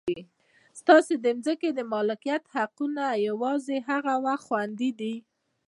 ستاسو د ځمکو د مالکیت حقونه یوازې هغه وخت خوندي دي.